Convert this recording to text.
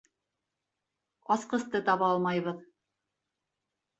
Асҡысты таба алмайбыҙ...